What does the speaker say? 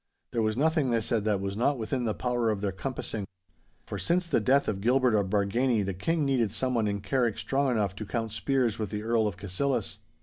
There was nothing, they said, that was not within the power of their compassing. For since the death of Gilbert of Bargany the King needed someone in Carrick strong enough to count spears with the Earl of Cassillis.